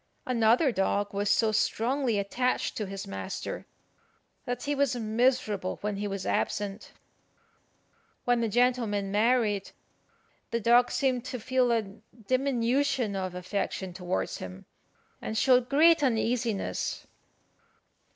Another dog was so strongly attached to his master that he was miserable when he was absent. When the gentleman married, the dog seemed to feel a diminution of affection towards him, and showed great uneasiness.